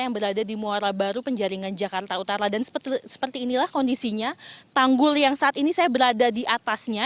yang berada di muara baru penjaringan jakarta utara dan seperti inilah kondisinya tanggul yang saat ini saya berada di atasnya